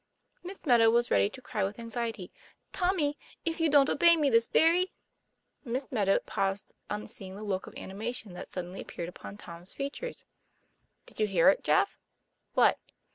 Miss Meadow was ready to cry with anxiety. ' Tommy, if you don't obey me this very " Miss Meadow paused on seeing the look of anima tion that suddenly appeared upon Tom's features. "Did you hear it, Jeff?" " What